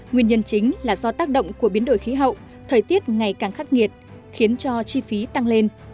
nguyên nhân chính là do tác động của biến đổi khí hậu thời tiết ngày càng khắc nghiệt khiến cho chi phí tăng lên